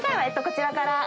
こちらから。